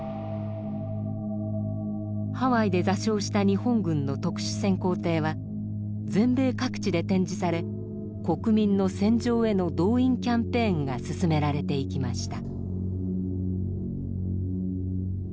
ハワイで座礁した日本軍の特殊潜航艇は全米各地で展示され国民の戦場への動員キャンペーンが進められていきました。